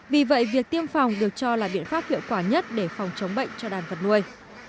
vì vậy việc tiêm phòng được cho là biện pháp hiệu quả nhất để phòng chống bệnh cho đàn vật nuôi